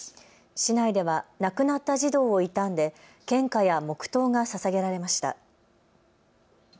市内では亡くなった児童を悼んで献花や黙とうがささげられました。